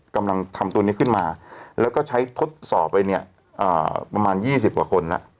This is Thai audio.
กำลังทำตัวนี้ขึ้นมาแล้วก็ใช้ทดสอบไปเนี่ยประมาณ๒๐กว่าคนแล้ว